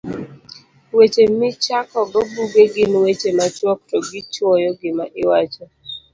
Weche Michakogo Buge gin weche machuok to gichuoyo gima iwacho